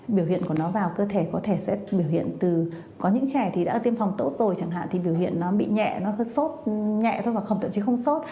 biểu hiện của nó vào cơ thể có thể sẽ biểu hiện từ có những trẻ thì đã tiêm phòng tốt rồi chẳng hạn thì biểu hiện nó bị nhẹ nó hơi sốt nhẹ thôi hoặc không thậm chí không sốt